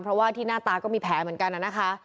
เพราะว่าที่หน้าตาก็มีแผลเหมือนกันนะคะ